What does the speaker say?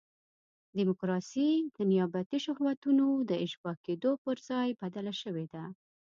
ډیموکراسي د نیابتي شهوتونو د اشباع کېدو پر ځای بدله شوې ده.